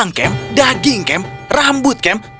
dan manusia pada dasarnya yang dibuat ada dari agar tidak terlihat